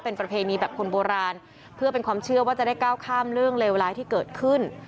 เป็นประเพณีแบบคนโบราณเพื่อเป็นความเชื่อว่าจะได้ก้าวข้ามเรื่องเลวร้ายที่เกิดขึ้น